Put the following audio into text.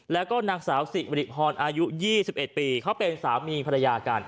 แล้วก็นางสาวสิริพรอายุ๒๑ปีเขาเป็นสามีภรรยากัน